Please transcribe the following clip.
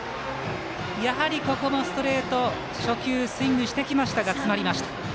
ここもストレート初球、スイングしてきましたが詰まりました。